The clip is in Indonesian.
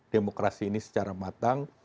demokrasi ini secara matang